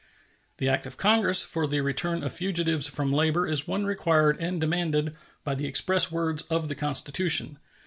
The act of Congress for the return of fugitives from labor is one required and demanded by the express words of the Constitution.